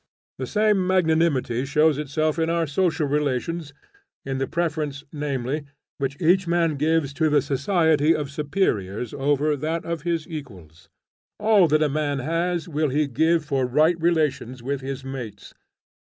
The same magnanimity shows itself in our social relations, in the preference, namely, which each man gives to the society of superiors over that of his equals. All that a man has will he give for right relations with his mates.